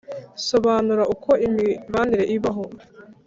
Sobanura uko imibanire ibaho